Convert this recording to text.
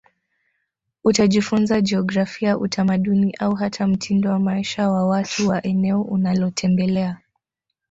Utajifunza jiografia utamaduni au hata mtindo wa maisha wa watu wa eneo unalotembelea